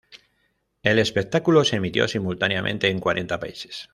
El espectáculo se emitió simultáneamente en cuarenta países.